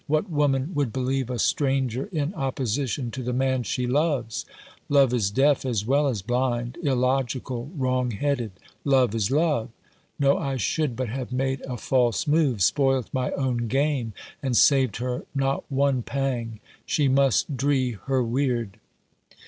What woman would believe a stranger in opposition to the man she loves ? Love is deaf as well as blind —■ illogical — wrong headed. Love is love. No, I should but have made a false move, spoilt my own game, and saved her not one pang. She must dree her weird."